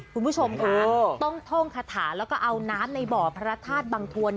คุณผู้ชมครับต้องท่งคาถาแล้วก็เอาน้ำในหมดประณะศาสตร์บังถวล